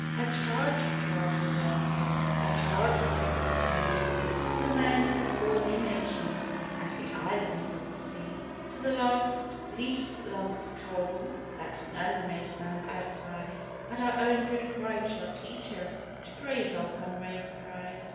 I charge you charge your glasses I charge you drink with me To the men of the Four New Nations, And the Islands of the Sea To the last least lump of coral That none may stand outside, And our own good pride shall teach us To praise our comrade's pride.